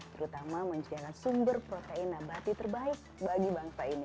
terutama menciptakan sumber protein abadi terbaik bagi bangsa ini